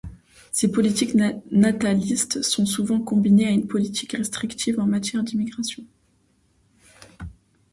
Ces politiques natalistes sont souvent combinées à une politique restrictive en matière d'immigration.